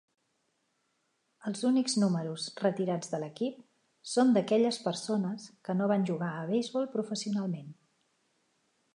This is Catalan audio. Els únics números retirats de l'equip són d'aquelles persones que no van jugar a beisbol professionalment.